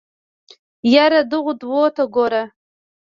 يره دغو دوو ته ګوره.